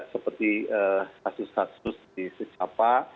seperti kasus kasus di secapa